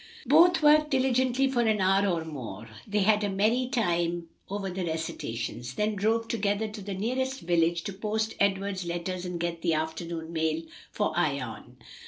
Both worked diligently for an hour or more; they had a merry time over the recitations, then drove together to the nearest village to post Edward's letters and get the afternoon mail for Ion.